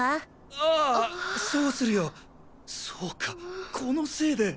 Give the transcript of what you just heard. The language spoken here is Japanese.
ああそうするよそうかこのせいで。